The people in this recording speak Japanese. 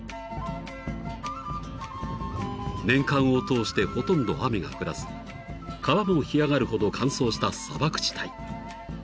［年間を通してほとんど雨が降らず川も干上がるほど乾燥した砂漠地帯］